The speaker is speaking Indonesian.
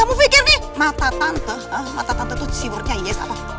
mata tante tuh siwurnya yes apa